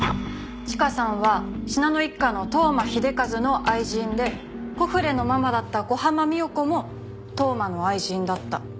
チカさんは信濃一家の当麻秀和の愛人でコフレのママだった小浜三代子も当麻の愛人だった。